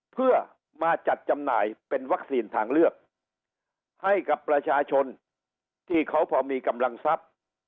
เพื่อมาจัดจำหน่ายเป็นวัคซีนทางเลือกให้กับประชาชนที่เขาพอมีกำลังทรัพย์